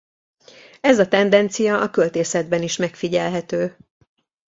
Ez a tendencia a költészetben is megfigyelhető.